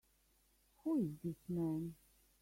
Who is this man?